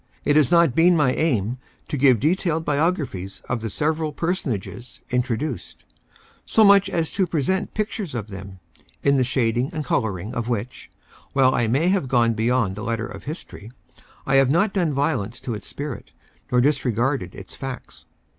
It has not been my aim to give detailed biographies of the several personages introduced, so much as to present pictures of them, — in the shading and coloring of which, while I may have gone beyond the letter of history, I have not done violence to its spirit, nor disregarded its facts.